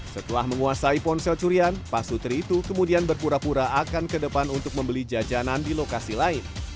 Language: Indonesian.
setelah menguasai ponsel curian pak sutri itu kemudian berpura pura akan ke depan untuk membeli jajanan di lokasi lain